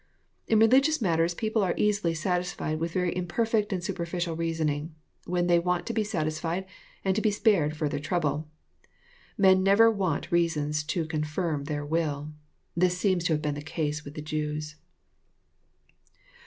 In religious matters people are easily satisfied with very i mper fect and superficial reasoning, when they want to be satisfied and to be spared farther trouble. Men never want reasons to confirm their will. This seems to have been the case with the Jews.